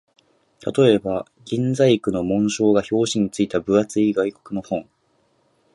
例えば、銀細工の紋章が表紙に付いた分厚い外国の本